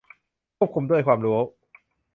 ควบคุมด้วยความรู้